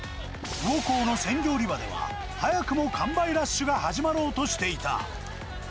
魚幸の鮮魚売り場では、早くも完売ラッシュが始まろうとしていた。